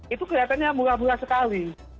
itu kelihatannya murah murah sekali